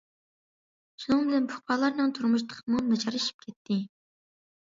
شۇنىڭ بىلەن پۇقرالارنىڭ تۇرمۇشى تېخىمۇ ناچارلىشىپ كەتتى.